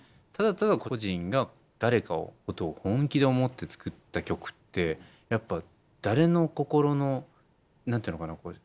ただただ個人が誰かのことを本気で思って作った曲ってやっぱ誰の心の何ていうのかなこれ。